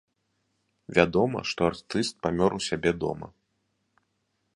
Вядома, што артыст памёр у сябе дома.